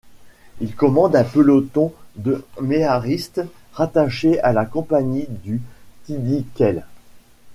Il commande un peloton de méharistes rattaché à la compagnie du Tidikelt.